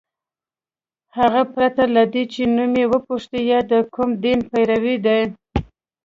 هغوی پرته له دې چي نوم یې وپوښتي یا د کوم دین پیروۍ ده